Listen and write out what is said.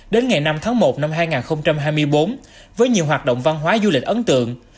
đến ngày năm tháng một năm hai nghìn hai mươi bốn với nhiều hoạt động văn hóa du lịch ấn tượng